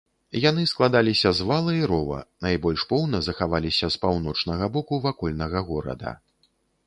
Яны складаліся з вала і рова, найбольш поўна захаваліся з паўночнага боку вакольнага горада.